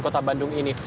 kota bandung ini